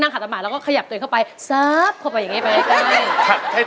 ขับตามมาแล้วก็ขยับตัวเองเข้าไปซับเข้าไปอย่างนี้ไป